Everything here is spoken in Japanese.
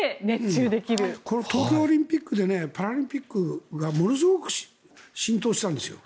東京オリンピックでパラリンピックがものすごく浸透したんですよ。